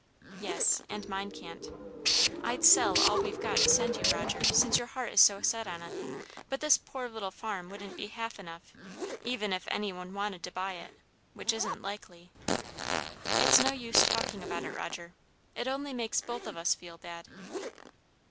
"Yes, and mine can't. I'd sell all we've got to send you, Roger, since your heart is so set on it, but this poor little farm wouldn't be half enough, even if any one wanted to buy it, which isn't likely. It's no use talking about it, Roger; it only makes both of us feel bad.